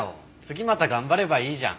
次また頑張ればいいじゃん。